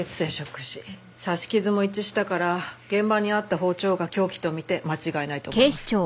刺し傷も一致したから現場にあった包丁が凶器とみて間違いないと思います。